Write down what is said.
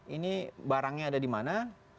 ini barangnya ada di mana